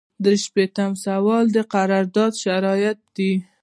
درې شپیتم سوال د قرارداد شرایط دي.